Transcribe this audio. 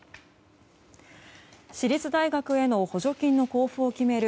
私立大学への補助金の交付を決める